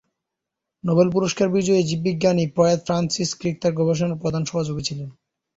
Nobel পুরস্কার বিজয়ী জীববিজ্ঞানী প্রয়াত ফ্রান্সিস ক্রিক তার গবেষণার প্রধান সহযোগী ছিলেন।